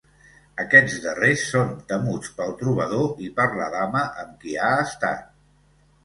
Aquests darrers són temuts pel trobador i per la dama amb qui ha estat.